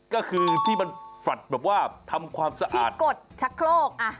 ก็คือที่มันฝัดแบบว่าทำความสะอาดกดชะโครก